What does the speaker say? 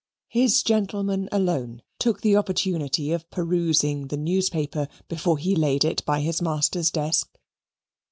His gentleman alone took the opportunity of perusing the newspaper before he laid it by his master's desk.